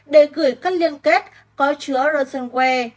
để gửi các liên kết có chứa ransomware